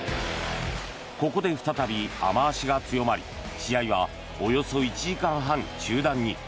ここで再び雨脚が強まり試合はおよそ１時間半中断に。